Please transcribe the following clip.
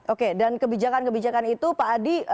oke dan kebijakan kebijakan itu pak adi